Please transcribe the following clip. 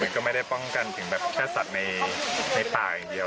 ก็ไม่ได้ป้องกันถึงแบบแค่สัตว์ในป่าอย่างเดียว